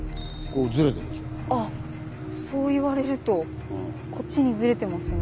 あっそう言われるとこっちにずれてますね。